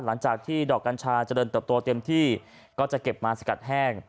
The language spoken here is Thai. หลังจากที่ดอกกัญชาเจริญเติบโตเต็มที่ก็จะเก็บมาสกัดแห้ง